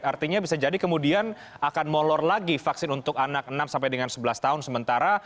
artinya bisa jadi kemudian akan molor lagi vaksin untuk anak enam sampai dengan sebelas tahun sementara